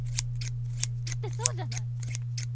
だってそうじゃない。